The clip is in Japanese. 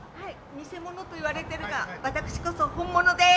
偽者と言われていますが私こそ本物です！